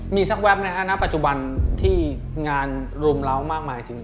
มีสักแป๊บนะฮะณปัจจุบันที่งานรุมเล้ามากมายจริง